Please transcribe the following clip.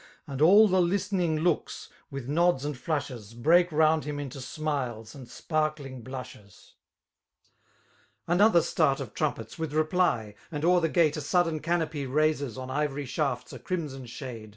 And all the listening looks^ with nods and flushes. Break round him into smiles and sparkling bludiest Another start of trumpets, with rejdy; And o*er the gate a sudden canopy Raises, on ivory shafts, a crimson shade.